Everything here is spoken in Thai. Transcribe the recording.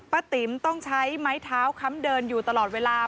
ติ๋มต้องใช้ไม้เท้าค้ำเดินอยู่ตลอดเวลา